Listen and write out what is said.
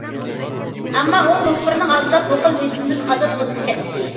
ئەمما ئۇ مۇخبىرنىڭ ئالدىدا بۇ خىل بىسىمدىن ئازاد بولۇپ كەتتى.